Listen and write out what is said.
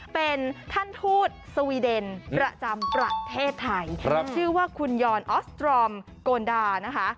เป็นท่านทูตสวีเดนประจำประเทศไทยชื่อว่าคุณยอนออสตรอมโกนดานะคะ